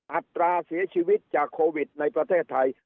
อัตราเสียชีวิตจากโควิดในประเทศไทย